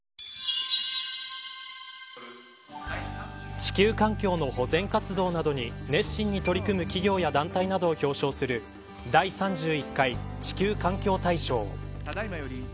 地球環境の保全活動などに熱心に取り組む企業や団体などを表彰する第３１回地球環境大賞。